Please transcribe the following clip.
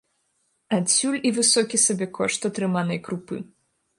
Адсюль і высокі сабекошт атрыманай крупы.